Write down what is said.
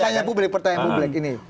pertanyaan publik pertanyaan publik ini